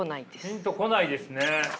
ピンとこないですね。